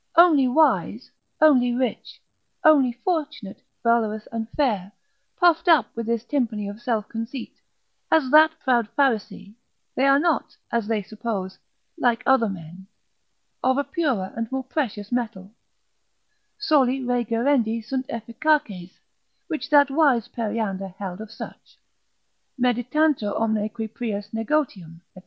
Only wise, only rich, only fortunate, valorous, and fair, puffed up with this tympany of self conceit; as that proud Pharisee, they are not (as they suppose) like other men, of a purer and more precious metal: Soli rei gerendi sunt efficaces, which that wise Periander held of such: meditantur omne qui prius negotium, &c.